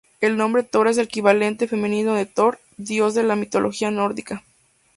El nombre Thora es el equivalente femenino de Thor, dios de la mitología nórdica.